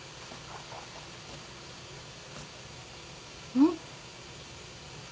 うん？